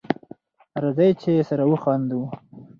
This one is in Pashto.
راځی چی سره وخاندو